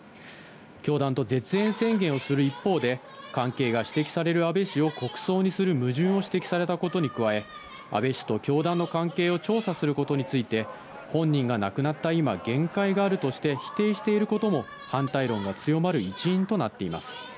教団と絶縁宣言をする一方で、関係が指摘される安倍氏を矛盾を指摘されたことに加え、安倍氏と教団の関係を調査することについて、本人が亡くなった今、限界があるとして、否定していることも反対論が強まる一因となっています。